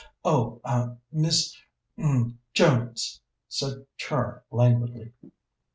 "Oh, a Miss er Jones," said Char languidly.